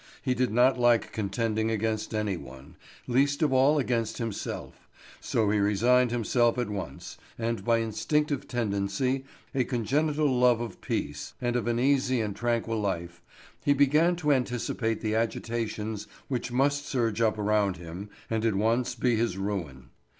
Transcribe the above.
He did not like contending against any one, least of all against himself, so he resigned himself at once; and by instinctive tendency, a congenital love of peace, and of an easy and tranquil life, he began to anticipate the agitations which must surge up around him and at once be his ruin.